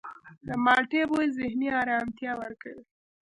د مالټې بوی ذهني آرامتیا ورکوي.